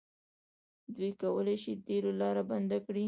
دوی کولی شي د تیلو لاره بنده کړي.